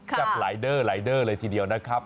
ชัดลายเดอร์ลายเดอร์เลยทีเดียวนะครับ